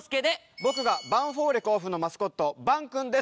僕がヴァンフォーレ甲府のマスコットヴァンくんです。